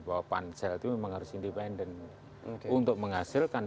bahwa pansel itu memang harus independen untuk menghasilkan